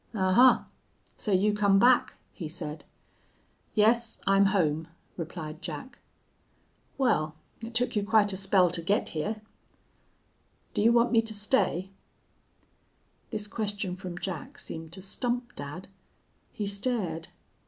"'Ahuh! So you come back,' he said. "'Yes, I'm home,' replied Jack. "'Wal, it took you quite a spell to get hyar.' "'Do you want me to stay?' "This question from Jack seemed to stump dad. He stared.